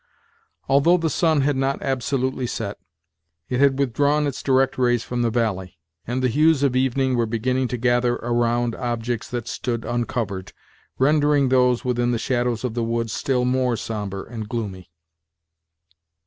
Although the sun had not absolutely set, it had withdrawn its direct rays from the valley; and the hues of evening were beginning to gather around objects that stood uncovered, rendering those within the shadows of the woods still more sombre and gloomy.